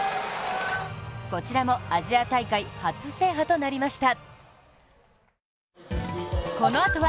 こちらもアジア大会初制覇となりました。